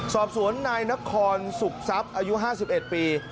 สอบสวนนายนครสุขทรัพย์อายุ๕๑ปี